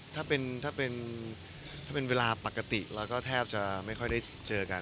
ถ้าเป็นเวลาปกติเราก็แทบจะไม่ค่อยได้เจอกัน